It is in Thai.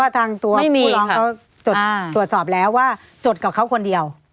ทางตัวผู้ร้องเขาจดตรวจสอบแล้วว่าจดกับเขาคนเดียว